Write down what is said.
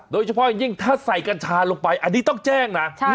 โดยเฉพาะอย่างยิ่งถ้าใส่กัญชาลงไปอันนี้ต้องแจ้งนะ